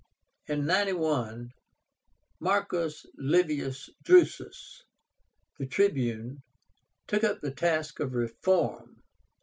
In 91, MARCUS LIVIUS DRUSUS, the Tribune, took up the task of reform.